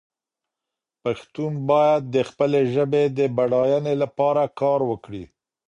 پښتون باید د خپلې ژبې د بډاینې لپاره کار وکړي.